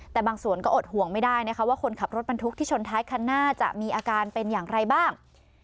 แต่บางส่วนก็อดห่วงไม่ได้นะคะว่าคนขับรถบรรทุกที่ชนท้ายคันหน้าจะมีอาการเป็นอย่างไรบ้าง